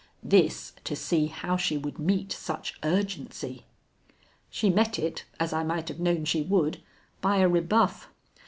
This, to see how she would meet such urgency. She met it, as I might have known she would, by a rebuff.